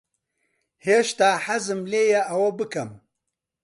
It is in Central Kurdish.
هێشتا حەزم لێیە ئەوە بکەم.